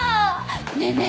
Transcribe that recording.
ねえねえ。